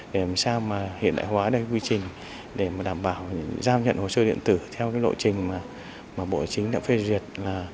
để làm sao hiện đại hóa quy trình để đảm bảo giao nhận hồ sơ điện tử theo lộ trình mà bộ chính đã phê duyệt là